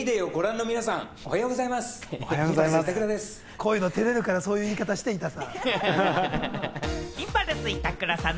こういうの照れるから、そういう言い方して、板倉さん。